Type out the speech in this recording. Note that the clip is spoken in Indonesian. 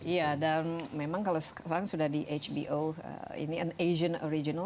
iya dan memang kalau sekarang sudah di hbo ini and asian original